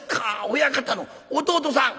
親方の弟さん。